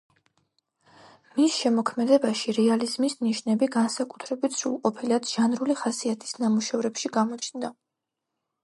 მის შემოქმედებაში რეალიზმის ნიშნები განსაკუთრებით სრულყოფილად ჟანრული ხასიათის ნამუშევრებში გამოჩნდა.